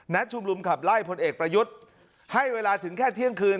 ชุมรุมขับไล่พลเอกประยุทธ์ให้เวลาถึงแค่เที่ยงคืน